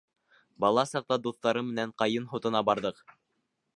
Бала саҡта дуҫтарым менән ҡайын һутына барҙыҡ.